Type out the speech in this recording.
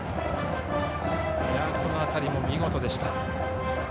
この辺りも見事でした。